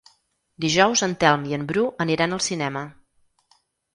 Dijous en Telm i en Bru aniran al cinema.